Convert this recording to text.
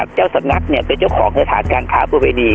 เจ้าสำนักเป็นเจ้าของสถานการค้าประเวณี